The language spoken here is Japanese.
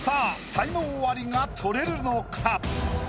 才能アリが取れるのか？